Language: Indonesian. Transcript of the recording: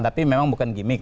tapi memang bukan gimmick